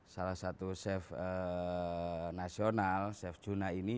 salah satu chef nasional chef juna ini